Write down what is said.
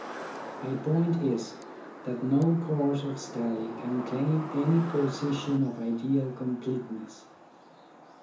My point is, that no course of study can claim any position of ideal completeness.